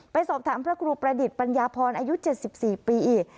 ไปสอบถามพระครูประดิษฐ์ปัญญาพรอายุ๗๔ปี